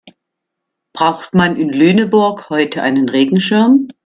Braucht man in Lüneburg heute einen Regenschirm?